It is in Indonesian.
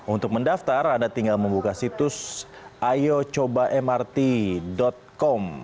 untuk mendaftar anda tinggal membuka situs ayocobamrt com